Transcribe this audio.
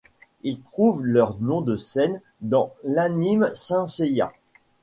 Ils trouvent leur nom de scène dans l'anime Saint Seiya.